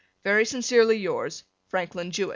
Very sincerely yours, Franklin Jewett.